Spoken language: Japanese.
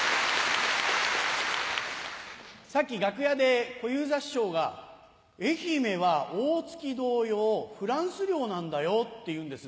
さっき楽屋で小遊三師匠が「愛媛は大月同様フランス領なんだよ」って言うんです。